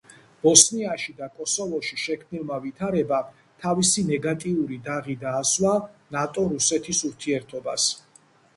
ბოსნიაში და კოსოვოში შექმნილმა ვითარებამ თავისი ნეგატიური დაღი დაასვა ნატო-რუსეთის ურთიერთობას.